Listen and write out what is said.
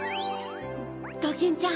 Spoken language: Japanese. ドキンちゃん